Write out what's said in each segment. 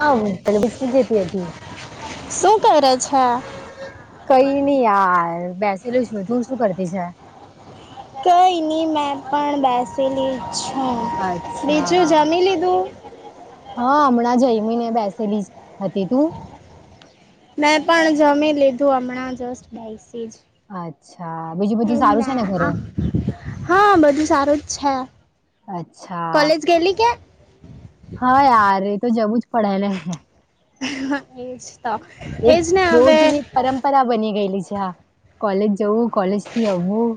હા હું પેહલા ડીશ કેહતી હતી. શું કરે છે? કઈ નઈ યાર બેસેલું શું તું શું કરતી છે? કઈ ની મેં પણ બેસેલી છું બીજું અચ્છા જમી લીધું? હા, હમણાં જઈમી ને બેસેલીજ હતી તું? મેં પણ જમી લીધું હમણાં જસ્ટ બઈસીજ. અચ્છા બીજું બધું સારું છે ને ઘરે? હા, બધું સારું જ છે. અચ્છા. ગેલી કે? હા, યાર એ તો જવું જ પડે ને. હા એજ તો એક એજ ને હવે રોજની પરંપરા બની ગયેલી છે હા. કલેજ જઉું કલેજ થી અવવું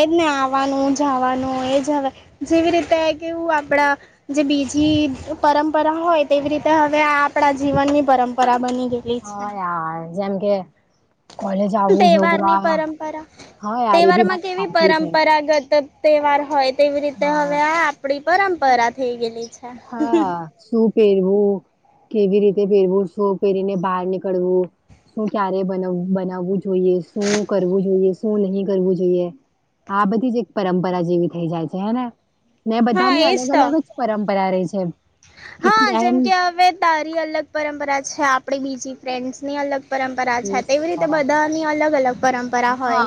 એજ ને આવાનું જવાનું એ જ હવે જેવી રીતે કેવું આપડા જે બીજી પરંપરા હોય તેવી રીતે હવે આ આપણા જીવનની પરંપરા બની ગઈ હા યાર જેમ કે કોલેજ આવવું જવું બેવારની આ પરંપરા હા યાર એ તહેવાર બી માં વાત કેવી સાચી છે પરંપરાગત તહેવાર હોય તેવી રીતે હા હવે આ આપડી પરંપરા થઈ ગયેલી છે હા શું પહેરવું કેવી રીતે પેરવું છું પહેરીને બહાર નીકળવું શું ક્યારે બનાવ બનાવવું જોઈએ શું કરવું જોઈએ શું નહી કરવું જોઈએ આ બધી જ એક પરંપરા જેવી થઈ જાય છે હેને ને હા બધાની એજ અલગ તો. અલગ જ પરંપરા રહી છે. હા કેટલી જેમ એમ કે હવે તારી અલગ પરંપરા છે આપણે બીજી ફ્રેન્ડસ ની અલગ પરંપરા છે તેવી રીતે હા બધાની અલગ અલગ પરંપરા હોય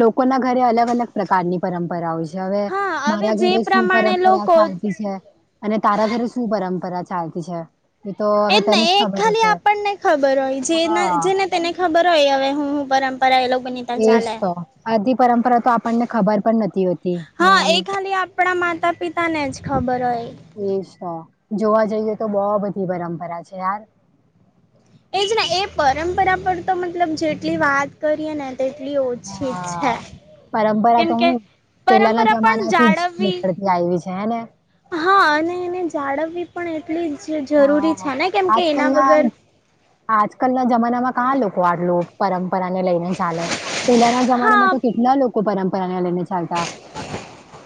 લોકો ના ઘરે અલગ અલગ પ્રકારની પરંપરા હોય છે હવે હા હવે મારા જે ઘરે શું પ્રમાણે પરંપરા લોકો ચાલતી છે. અને તારા ઘરે શું પરંપરા ચાલતી છે. એ તો હવે એજ તને જ એ ખબર ખાલી હશે આપણને ખબર હોય જેના હા જેને તેને ખબર હોય હવે હું હું પરંપરા એ લોકો ની એજ તો આધી પરંપરા તો આપણને ખબર પણ નથી હોતી હા નેમ એ ખાલી આપણા માતા પિતાને જ ખબર હોય એજ તો જોવા જઈએ તો બોવ બધી પરંપરા છે યાર એજ ને એ પરંપરા પર તો મતલબ જેટલી વાત કરીએ ને તેટલી ઓછી હા છે. પરંપરા કેમ તો કે હું પેલાના પરંપરા પણ જમાના થી જ જાળવવી નીકળે લાઇ વી છે હે ને હા અને એને જાળવવી પણ એટલી જ જરૂરી હા છે ને કેમકે એના વગર આજકાલ ના જમાના માં કા લોકો આડલોટ પરંપરાને લઈને ચાલે પેલાના જમાનામાં હા તો કેટલા લોકો પરંપરાને લઈને ચાલતા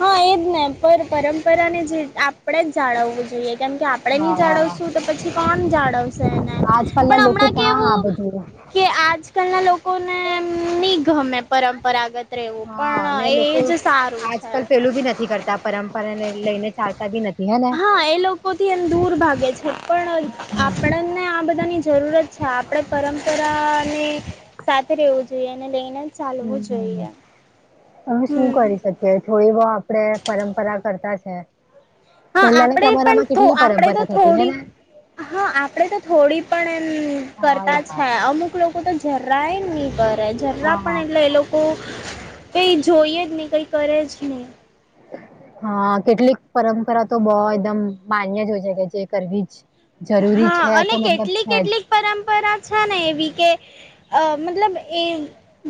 હા એજ ને પણ પરંપરા ને જે આપણે જ જાળવવું જોઈએ કેમ કે આપડે નહી હા જાળવશું તો પછી કોણ જાળવશે એને આજકાલ ના પણ લોકો હમણાં કા આ કેવું બધું કે આજકાલ ના લોકોને એમ ની ગમે પરંપરાગત રેવુ હા પણ અને એ લોકો જ સ આજકાલ પેલું બી નથી કરતા પરંપરાને લઈને ચાલતા બી નથી હેને. હા એ લોકો થી એમ દૂર ભાગે છે, પણ આપડને આ બધાની જરૂરત છે. આપણે પરંપરાને સાથે રહેવું જોઈએ એને લઈને જ હ હ હવે શું હમ કરી શકીએ કે થોડી બહુ આપડે પરંપરા કરતા છે. હા પહેલાના આપણે પણ જમાનામાં કેટલી થોડ આપણે તો પરંપરા થતી થોડી હેને હા આપડે તો થોડી પણ એમ હા કરતા યાર છે અમુક લોકો તો જરા એ નહી ભરે જરા હા પણ એટલે એ લોકો તો કંઈ જોઈએ જ નહીં કંઈ કરે જ નહીં [inaudible] હા કેટલીક પરંપરા તો બોવ એકદમ માન્ય જ હોય છે કે જે કરવી જ જરૂરી હા છે તો અને મતલબ કેટલી છે જ કેટલીક પરંપરા છે ને એવી કે અ મતલબ એ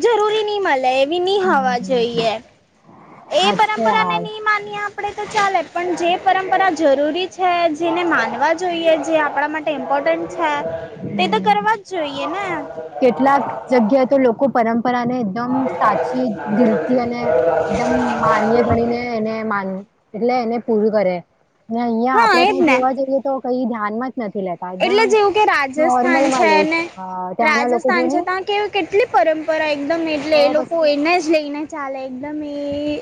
જરૂરી ની મલે એમ ની હોવા હમ જોઈએ. એ હાચે પરંપરાને યાર નહી માન્યા આપણે તો ચાલે પણ જે પરંપરા જરૂરી છે, જેને માનવા જોઈએ જે આપણા માટે. ઇમ્પોર્ટન્ટ છે, તે તો હમ કરવા જ જોઈએ ને. કેટલાક જગ્યા તો લોકો પરંપરા ને એકદમ સાચી દિલથી, અને એકદમ માન્ય ગણીને એને માન એટલે એને પૂરું કરે ને, અહિયાં હા આપડે એજ ત્યાં ને જોવા જઈએ, તો કઈ ધ્યાનમાં જ નથી લેતા. એટલે જેવું કે રાજસ્થાન નોર્મલ માં લે ને છે, અ ત્યાંના લોકો જો રાજસ્થાન છે, ની તા કેવુ કેટલી પરંપરા એકદમ એટલે તો એ લોકો પછી એને લઇને, ચાલ એકદમે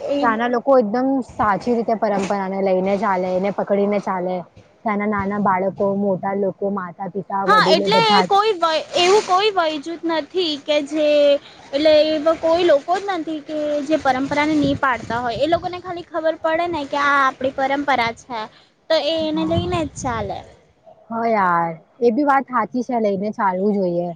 એ ત્યાંના લોકો એકદમ સાચી રીતે પરંપરાને લઈને ચાલે, એને પકડીને ચાલે. ત્યાં ના નાના બાળકો મોટા લોકો, માતા-પિતા હા વડીલો એટલે બધા કોઈ વય એવું કોઈ વયજૂથ નથી કે જે. એટલે એવા કોઈ લોકો જ નથી કે, જે પરંપરાને ની પાડતા હોય, એ લોકોને ખાલી ખબર. પડે ને કે આ આપડી પરંપરા છે. તો એ એને હા. લઈને જ ચાલે હ, યાર એ બી વાત હાચી છે, લઈને ચાલવું જોઈએ.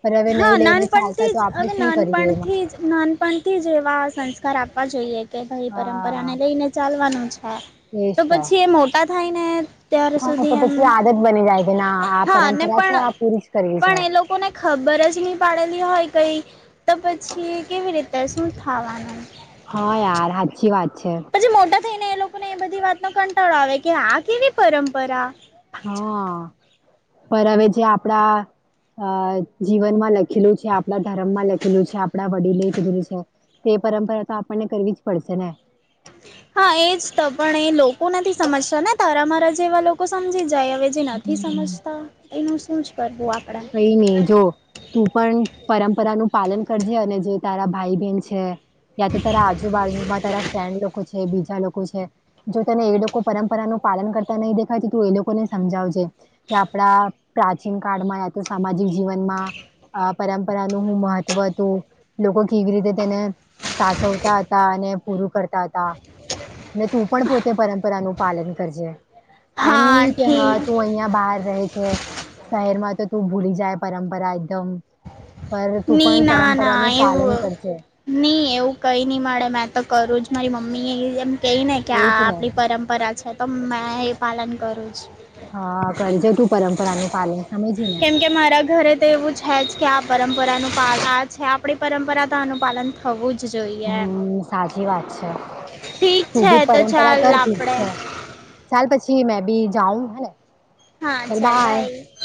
પણ હવે નય હા લઈને, નાનપણથી ચાલતા તો જ આપણે હવે શું કરીએ એમાં. નાનપણથી નાનપણથી જે એવા સંસ્કાર આપવા જોઈએ. કે ભાઈ હા પરંપરાને લઈને ચાલવાનું છે, તો પછી એ મોટા થાય ને. ત્યાર હા, સુધી તો એમ પછી આદત બની જાય કે, ના આ પરંપરા છે, આ પૂરી જ કરવી છે. કોન. ખબર જ નહી પાડેલી હોય, કઈ તો પછી કેવી રીતે શું થવાનું. હા, યાર સાચી વાત છે. આજે મોટા થઈને, એ લોકોને એ બધી વાત નો કંટાળો આવે કે, આ કેવી પરંપરા. હા, પર હવે જે આપડા. અ જીવનમાં લખેલું છે, આપણા ધર્મમાં લખેલું છે, આપણા વડીલે કીધેલું છે. તે પરંપરા તો આપણને કરવી જ પડશે ને. હા, એજ તો પણ એ લોકો નથી સમજતા ને, તારા મારા જેવા લોકો સમજી જાય હવે. જે નથી હમ સમજતા, એનું શું જ કરવું આપ? કઈ નહી જો. તું પણ પરંપરા નું પાલન કરજે, અને જે તારા ભાઈ બહેન છે. ત્યાં તો તારા આજુબાજુમાં તારા ફ્રેન્ડ લોકો છે, બીજા લોકો છે. જો તને એ લોકો પરંપરાનું પાલન કરતા નહીં દેખાય, તો એ લોકોને સમજાવજે. કે આપણા પ્રાચીન કાળમાં, યા તો સામાજિક જીવનમાં આ પરંપરાનું હું મહત્વ હતું, લોકો કેવી રીતે તેને સાચવતા હતા, અને પૂરું કરત રતા હતા ને, તું પણ પોતે પરંપરાનું પાલન કરજે. એમ હા નહિ કે. હા, ઠીક તું અહિયાં બહાર રહે છે, શહેરમાં તો તું ભૂલી જાય, પરંપરા એકદમ પર તું ની પણ ના ના પરંપરાનું પાલન એવું કરજે. નહી, એવું કઈ નહી મળે, મેં તો કરું જ મારી મમ્મી એમ કઈ ને કે, આ એજ ને આપણી પરંપરા છે, તો મે એ પાલન કરું છું. હા કરજો, તું પરંપરા નું પાલન. સમયજી ને કેમ કે મારા ઘરે જ. તો એવું છે, જ કે, આ પરંપરાનું પા આ છે, આપણી પરંપરા તો આનું પાલન થવું જ જોઈએ એમ હમ, સાચી વાત છે. ઠીક તું છે બી તો પરંપરા ચાલ કર ઠિકજ આપણે છે, ચાલ, પછી મે બી જાઉં હેને. હા ચાલ બાય ચાલ્યા એ.